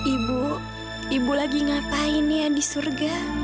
ibu ibu lagi ngapain ya di surga